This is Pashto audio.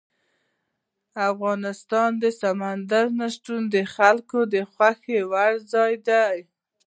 افغانستان کې سمندر نه شتون د خلکو د خوښې وړ ځای دی.